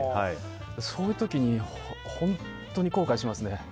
そういう時に本当に後悔しますね。